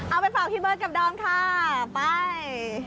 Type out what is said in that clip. เอาไปฝากพี่เบิร์ดกับดอมค่ะไป